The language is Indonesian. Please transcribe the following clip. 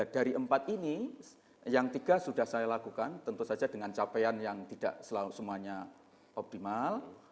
dari empat ini yang tiga sudah saya lakukan tentu saja dengan capaian yang tidak semuanya optimal